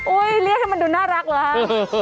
อุ๊ยเรียกให้มันดูน่ารักแล้ว